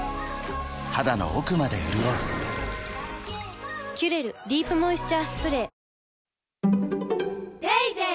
肌の奥まで潤う「キュレルディープモイスチャースプレー」